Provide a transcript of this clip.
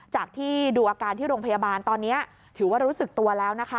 จากที่ดูอาการที่โรงพยาบาลตอนนี้ถือว่ารู้สึกตัวแล้วนะคะ